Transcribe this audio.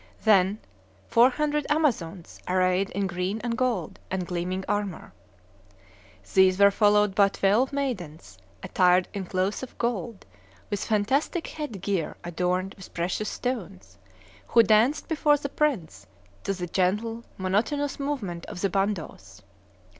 Then, four hundred Amazons arrayed in green and gold, and gleaming armor. These were followed by twelve maidens, attired in cloth of gold, with fantastic head gear adorned with precious stones, who danced before the prince to the gentle monotonous movement of the bandos.